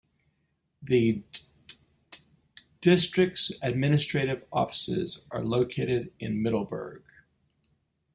The District's administrative offices are located in Middleburg.